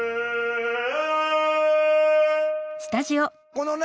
このね